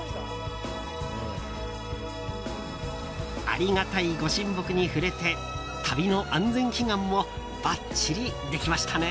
ありがたい御神木に触れて旅の安全祈願もバッチリできましたね。